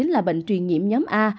là bệnh truyền nhiễm nhóm a